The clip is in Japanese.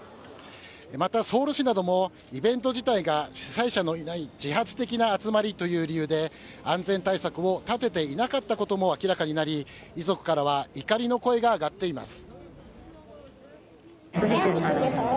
またソウル市なども、イベント自体が主催者のいない自発的な集まりという理由で、安全対策を立てていなかったことも明らかになり、遺族からは怒りの声が上がっています。